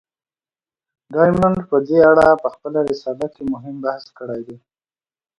ډایمونډ په دې اړه په خپله رساله کې مهم بحث کړی دی.